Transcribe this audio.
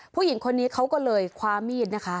ผู้หญิงคนนี้เขาก็เลยคว้ามีดนะคะ